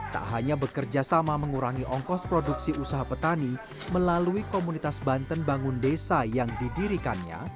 tak hanya bekerja sama mengurangi ongkos produksi usaha petani melalui komunitas banten bangun desa yang didirikannya